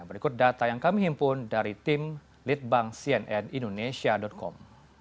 berikut data yang kami himpun dari tim litbang cnn indonesia com